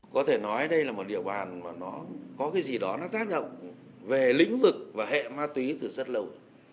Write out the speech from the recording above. có thể nói đây là một địa bàn mà nó có cái gì đó nó tác động về lĩnh vực và hệ ma túy từ rất lâu